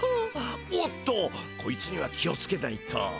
おっとこいつには気をつけないと。